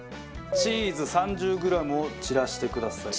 チーズ３０グラムを散らしてください。